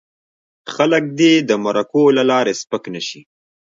خلک دې د مرکو له لارې سپک نه شي.